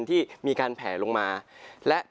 ที่มีการแผลลงมา